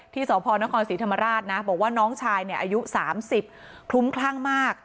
ที่สพนครศรีธรรมราชนะบอกว่าน้องชายเนี่ยอายุ๓๐คลุ้มคลั่งมาก